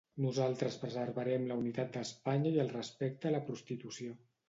Nosaltres preservarem la unitat d’Espanya i el respecte a la constitució.